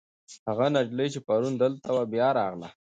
هغه نجلۍ چې پرون دلته وه، بیا راغله.